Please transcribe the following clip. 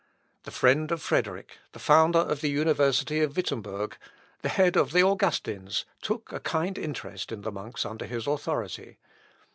The friend of Frederick, the founder of the University of Wittemberg, the head of the Augustins, took a kind interest in the monks under his authority.